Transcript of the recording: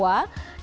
di mana ada danone